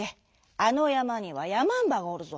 あのやまにはやまんばがおるぞ。